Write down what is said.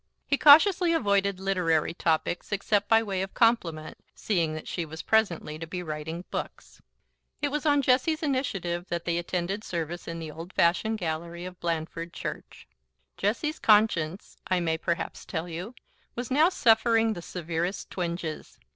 He cautiously avoided literary topics, except by way of compliment, seeing that she was presently to be writing books. It was on Jessie's initiative that they attended service in the old fashioned gallery of Blandford church. Jessie's conscience, I may perhaps tell you, was now suffering the severest twinges.